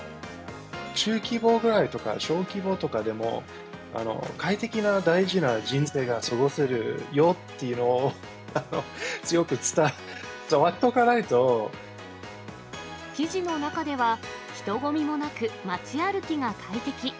中規模ぐらいとか小規模とかでも、快適な大事な人生が過ごせるよっていうのを、記事の中では、人混みもなく街歩きが快適。